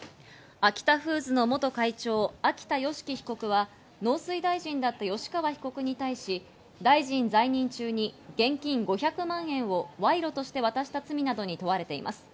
アキタフーズの元会長・秋田善祺被告は農水大臣だった吉川被告に対し、大臣在任中に現金５００万円を賄賂として渡した罪などに問われています。